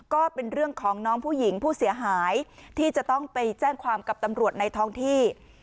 ก็เป็นเรื่องของน้องผู้หญิงผู้เสียหายที่จะต้องไปแจ้งความกับตำรวจในท้องที่